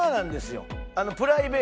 プライベートも。